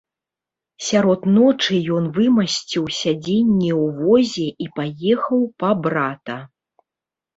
Сярод ночы ён вымасціў сядзенне ў возе і паехаў па брата.